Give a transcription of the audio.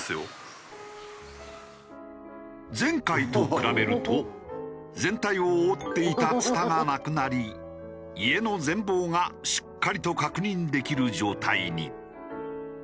前回と比べると全体を覆っていたツタがなくなり家の全貌がしっかりと確認できる状態に。